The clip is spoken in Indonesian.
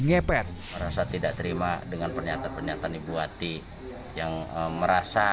ngepet merasa tidak terima dengan pernyataan pernyataan ibu ati yang merasa